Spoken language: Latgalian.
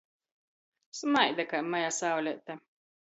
Smaida kai maja sauleite.